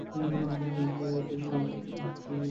তোমার উপায় কাজ করেনি!